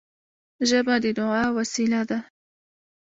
ژبه د دعا وسیله ده